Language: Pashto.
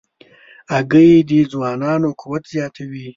هګۍ د ځوانانو قوت زیاتوي.